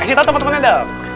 kasih tau temen temennya dong